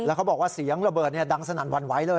เขาบอกว่าเสียงระเบิดดังสนั่นหวั่นไหวเลย